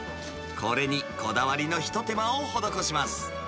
これにこだわりのひと手間を施します。